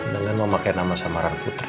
dengan memakai nama samaran putra